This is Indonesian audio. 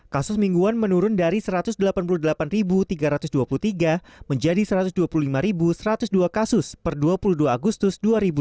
kasus mingguan menurun dari satu ratus delapan puluh delapan tiga ratus dua puluh tiga menjadi satu ratus dua puluh lima satu ratus dua kasus per dua puluh dua agustus dua ribu dua puluh